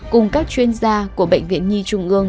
cùng các chuyên gia của bệnh viện nhi trung ương